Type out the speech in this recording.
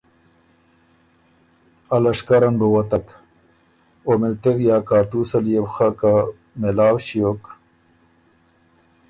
ا لشکرن بُو وتک، او ملتِغ یا کاړتوس ال يې بو خه که مېلاؤ ݭیوک